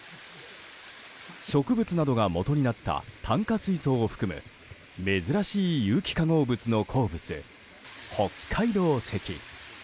植物などがもとになった炭化水素を含む珍しい有機化合物の鉱物北海道石。